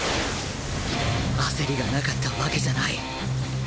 焦りがなかったわけじゃない